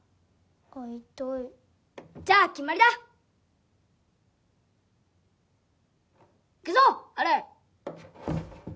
会いたいじゃあ決まりだいくぞアル！